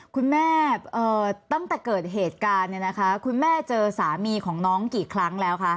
คุณแม่ตั้งแต่เกิดเหตุการณ์เนี่ยนะคะคุณแม่เจอสามีของน้องกี่ครั้งแล้วคะ